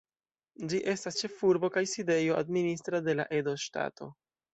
Ĝi estas ĉefurbo kaj sidejo administra de la Edo Ŝtato.